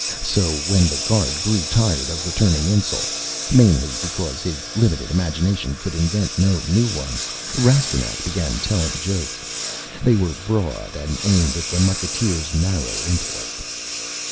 So, when the guard grew tired of returning insults mainly because his limited imagination could invent no new ones Rastignac began telling jokes. They were broad and aimed at the mucketeer's narrow intellect.